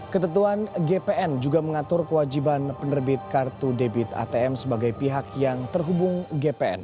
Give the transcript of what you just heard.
ketentuan gpn juga mengatur kewajiban penerbit kartu debit atm sebagai pihak yang terhubung gpn